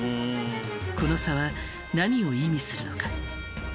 この差は何を意味するのか？